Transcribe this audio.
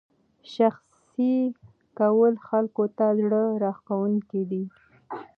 شخصي کول خلکو ته زړه راښکونکی دی.